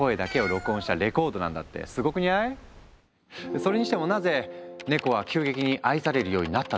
それにしてもなぜネコは急激に愛されるようになったのか？